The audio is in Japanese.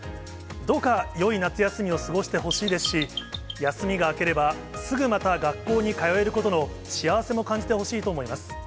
どうかよい夏休みを過ごしてほしいですし、休みが明ければ、すぐまた学校に通えることの幸せも感じてほしいと思います。